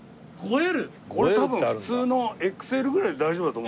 俺多分普通のＸＬぐらいで大丈夫だと思うんですよね。